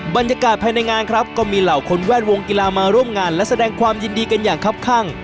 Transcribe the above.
บรรยากาศภายในงานครับก็มีเหล่าคนแวดวงกีฬามาร่วมงานและแสดงความยินดีกันอย่างครับข้าง